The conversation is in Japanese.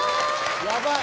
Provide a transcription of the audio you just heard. やばい。